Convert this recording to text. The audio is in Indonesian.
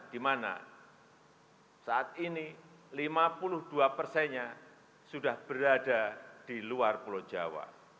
di mana saat ini lima puluh dua persennya sudah berada di luar pulau jawa